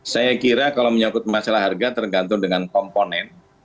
saya kira kalau menyangkut masalah harga tergantung dengan komponen